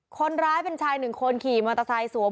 คนร้ายเป็นชายหนึ่งคนขี่มอเตอร์ไซค์สวม